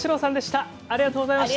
アハハハありがとうございます。